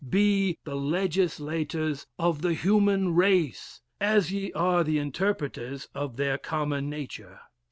Be the legislators of the human race, as ye are the interpreters of their common nature.